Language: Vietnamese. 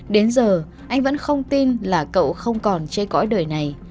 đến giờ anh vẫn không tin là cậu không còn chê cõi đời này